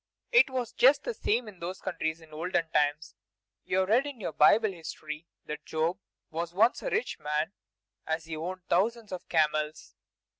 It was just the same in those countries in olden times. You have read in your Bible history that Job was once a rich man, as he owned thousands of camels.